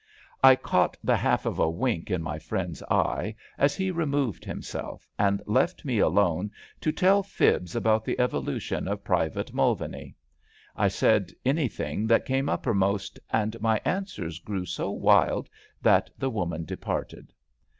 I caught the half of a wink in my friend's eye as he removed himself and left me alone to 250 ABAFT THE FUNNEL tell fibs about the evolution of Private Mnlvaney. I said anything that came uppermost, and my answers grew so wild that the woman departed.